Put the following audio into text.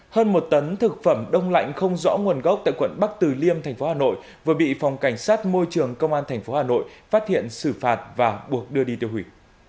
hơn một tấn thực phẩm đông lạnh không rõ nguồn gốc tại quận bắc từ liêm thành phố hà nội vừa bị phòng cảnh sát môi trường công an tp hà nội phát hiện xử phạt và buộc đưa đi tiêu hủy